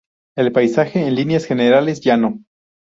El paisaje es en líneas generales llano.